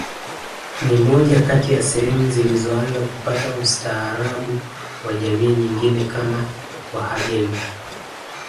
Ni moja kati ya sehemu zilizoanza kupata ustaarabu wa jamii nyingine kama wahajemi